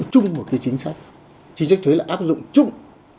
chính sách thuế là áp dụng chung